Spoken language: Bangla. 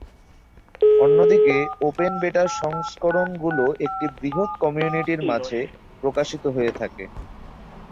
অন্যদিকে ওপেন বেটা সংস্করণগুলো একটি বৃহৎ কমিউনিটির মাঝে প্রকাশিত হয়ে থাকে।